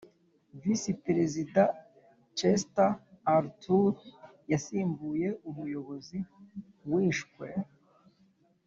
visi perezida chester arthur yasimbuye umuyobozi wishwe